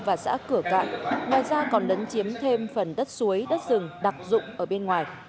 và xã cửa cạn ngoài ra còn lấn chiếm thêm phần đất suối đất rừng đặc dụng ở bên ngoài